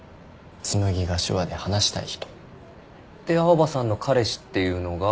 紬が手話で話したい人。で青羽さんの彼氏っていうのが。